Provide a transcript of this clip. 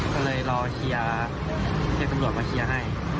ก็เลยรอเชียร์เจ็บสำรวจมาเชียร์ให้